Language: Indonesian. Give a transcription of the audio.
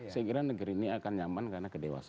saya kira negeri ini akan nyaman karena kedewasaan